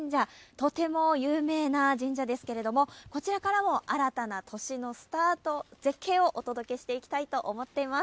とても有名な神社ですけれどもこちらからも新たな年のスタート絶景をお届けしていきたいと思っています。